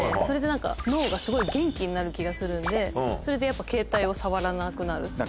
それで何か脳がすごい元気になる気がするんでそれでやっぱケータイを触らなくなる。